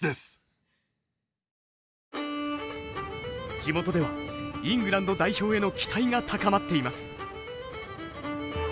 地元ではイングランド代表への期待が高まっています。